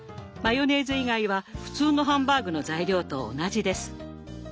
マヨネーズ以外は普通のハンバーグの材料と同じです。